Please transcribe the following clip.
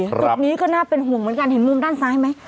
จุดนี้ก็น่าเป็นห่วงเหมือนกันเห็นมุมด้านซ้ายไหม